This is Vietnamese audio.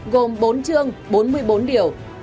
gồm bốn chương bốn mươi bốn điều